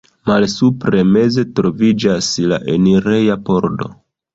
Malsupre meze troviĝas la enireja pordo.